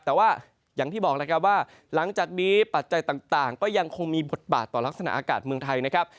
แต่ว่าอย่างที่บอกแล้วครับว่าหลังจากนี้ปัจจัยต่างก็ยังคงมีบทบาทต่อลักษณะอากาศเมืองไทยนะครับ